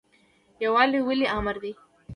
یووالی ولې امر دی؟